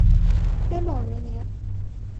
天宝元年。